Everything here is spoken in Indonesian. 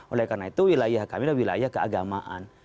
oleh karena itu wilayah kami adalah wilayah keagamaan